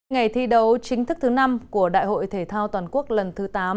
ngày thi đấu chính thức thứ năm của đại hội thể thao toàn quốc lần thứ tám